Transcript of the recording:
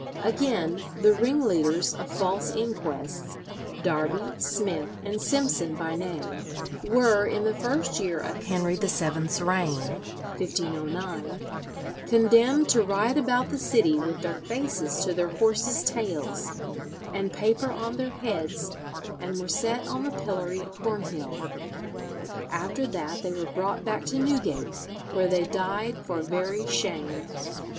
Again, the ringleaders of false inquests, Darby, Smith, and Simson by name, were, in the first year of Henry VII's reign (1509), condemned to ride about the city with their faces to their horses' tails, and paper on their heads, and were set on the pillory at Cornhill. After that they were brought back to Newgate, where they died for very shame.